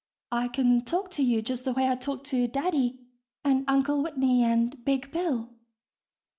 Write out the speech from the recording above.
I can talk to you just the way I talk to Daddy and Uncle Whitney and Big Bill).